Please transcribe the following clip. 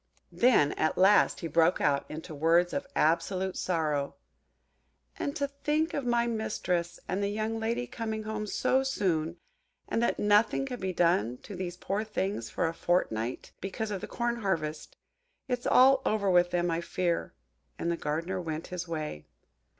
Then at last he broke out into words of absolute sorrow:– "And to think of my mistress and the young lady coming home so soon, and that nothing can be done to these poor things for a fortnight, because of the corn harvest! It's all over with them, I fear;" and the Gardener went his way.